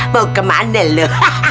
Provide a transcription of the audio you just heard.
mau kemana lu